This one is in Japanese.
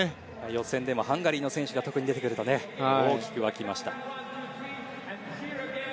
予選でもハンガリーの選手が出てくると大きく沸きました。